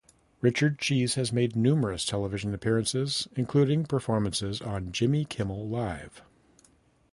Richard Cheese has made numerous television appearances, including performances on Jimmy Kimmel Live!